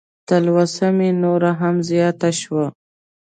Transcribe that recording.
تلوسه مې نوره هم زیاته شوه.